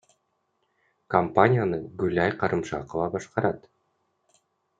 Компанияны Гүлай Карымшакова башкарат.